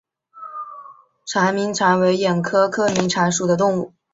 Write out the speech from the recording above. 囊明蚕为眼蚕科明蚕属的动物。